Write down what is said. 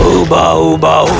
baubah baubah baubah